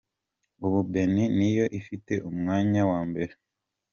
Ubu Benin niyo ifite umwanya wa mbere.